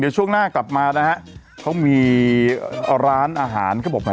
เดี๋ยวช่วงหน้ากลับมานะฮะเขามีร้านอาหารเขาบอกไง